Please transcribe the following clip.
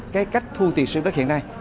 cái cách thu tiền sử dụng đất hiện nay